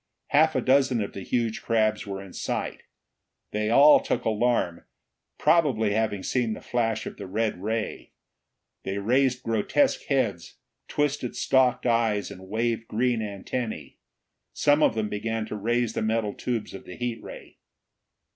Half a dozen of the huge crabs were in sight. They all took alarm, probably having seen the flash of the red ray. They raised grotesque heads, twisted stalked eyes and waved green antennae. Some of them began to raise the metal tubes of the heat ray.